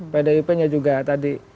pdip nya juga tadi